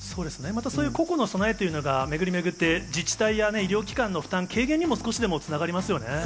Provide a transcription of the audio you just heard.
また個々の備えというのが、巡り巡って、自治体や医療機関の負担軽減にも少しでもつながりますよね。